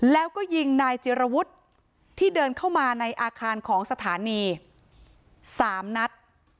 แล้วก็ยิงนายจิรวุฒิที่เดินเข้ามาในอาคารของสถานี๓นัด